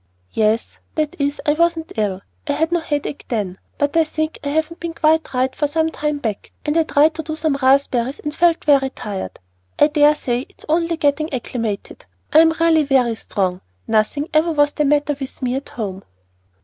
"Yes, that is, I wasn't ill. I had no headache then, but I think I haven't been quite right for some time back, and I tried to do some raspberries and felt very tired. I dare say it's only getting acclimated. I'm really very strong. Nothing ever was the matter with me at home."